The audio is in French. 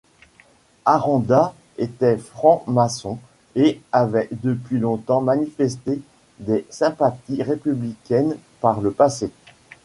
Aranda était franc-maçon et avait depuis longtemps manifesté des sympathies républicaines par le passé.